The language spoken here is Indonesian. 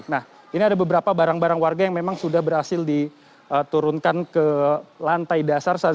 nah ini ada beberapa barang barang warga yang memang sudah berhasil diturunkan ke lantai dasar